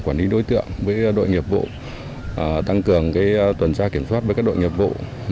quản lý đối tượng với đội nghiệp vụ tăng cường tuần tra kiểm soát với các đội nghiệp vụ